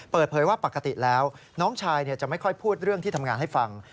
เปิดเผยว่าปกติแล้วน้องชายจะไม่ค่อยพูดเรื่องที่ทำงานให้ฟัง